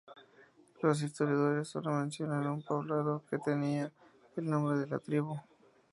Los historiadores sólo mencionan un poblado, que tenía el nombre de la tribu.